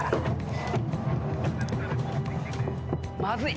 まずい。